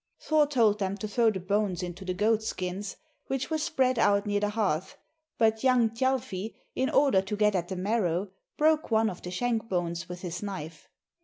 Thor told them to throw the bones into the goatskins, which were spread out near the hearth, but young Thjalfi, in order to get at the marrow, broke one of the shank bones with his knife.